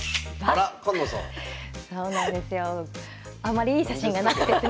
あまりいい写真がなくてすみません。